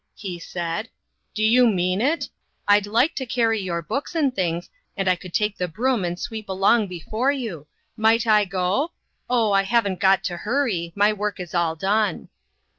he said. "Do you mean it? I'd like to carry your books and things, and I could take the broom and sweep along be fore you. Might I go? Oh, I haven't got to hurry. My work is all done."